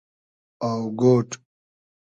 آۆگۉۮ